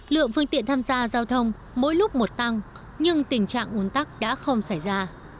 lượng phương tiện tham gia giao thông mỗi lúc một tăng nhưng tình trạng uốn tắc đã không xảy ra